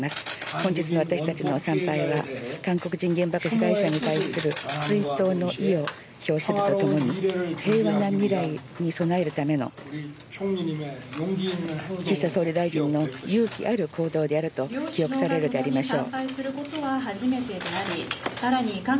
本日の私たちの参拝は、韓国人原爆被害者に対する追悼の意を表するとともに、平和な未来に備えるための岸田総理大臣の勇気ある行動であると記憶されるでありましょう。